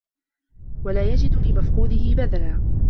وَلَا يَجِدُ لِمَفْقُودِهِ بَدَلًا